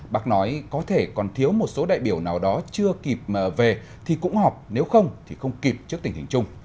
bác nói có thể còn thiếu một số đại biểu nào đó chưa kịp về thì cũng họp nếu không thì không kịp trước tình hình chung